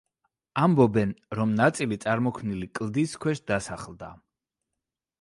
ამბობენ, რომ ნაწილი წარმოქმნილი კლდის ქვეშ დასახლდა.